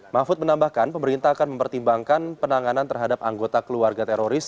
mahfud menambahkan pemerintah akan mempertimbangkan penanganan terhadap anggota keluarga teroris